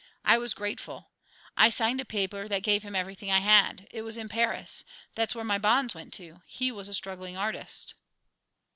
I was grateful. I signed a paper that gave him everything I had. It was in Paris. There's where my bonds went to. He was a struggling artist."